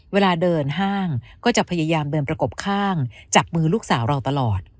เวลาเดินห้างก็จะพยายามเดินประกบข้างจับมือลูกสาวเราตลอด